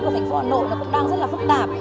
của thành phố hà nội nó cũng đang rất là phức tạp